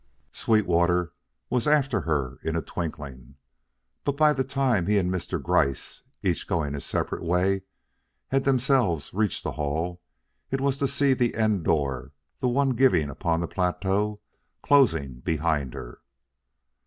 Sweetwater was after her in a twinkling; but by the time he and Mr. Gryce, each going his separate way, had themselves reached the hall, it was to see the end door the one giving upon the plateau closing behind her.